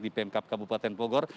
di pemkap kabupaten bogor